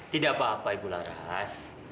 tidak apa apa ibu laras